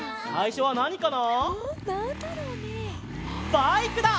バイクだ！